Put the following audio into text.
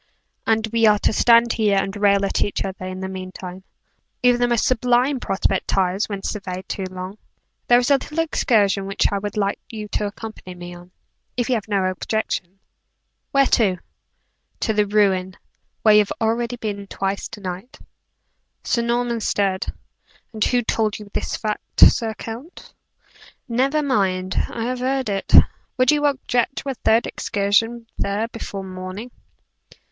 "And we are to stand here and rail at each other, in the meantime?" "By no means! Even the most sublime prospect tires when surveyed too long. There is a little excursion which I would like you to accompany me on, if you have no objection." "Where to?" "To the ruin, where you have already been twice to night." Sir Norman stared. "And who told you this fact, Sir Count?" "Never mind; I have heard it. Would you object to a third excursion there before morning?"